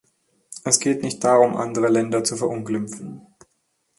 Es geht nicht darum, andere Länder zu verunglimpfen.